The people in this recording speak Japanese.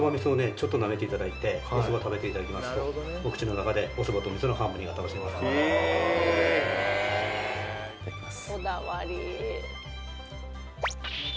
ちょっとなめていただいておそば食べていただきますとお口の中でおそばと味噌のハーモニーが楽しめますへえいただきます